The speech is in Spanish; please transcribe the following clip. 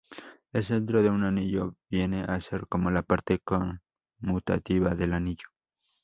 El centro de un anillo viene a ser como "la parte conmutativa del anillo".